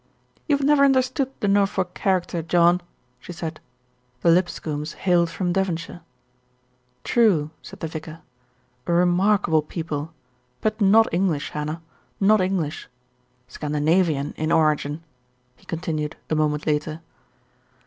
"You have never understood the Norfolk character, John," she said. The Lipscombes hailed from Devon shire. "True," said the vicar. "A remarkable people; but not English, Hannah, not English. Scandinavian in origin," he continued a moment later.